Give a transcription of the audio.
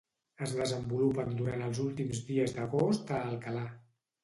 es desenvolupen durant els últims dies d'agost a Alcalà